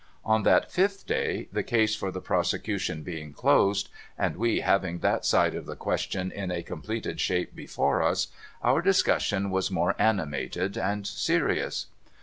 On that fifth clay, the case for the prosecution being closed, and we having that side of the cjuestion in a completed shape before us, our discussion was more animated and serious.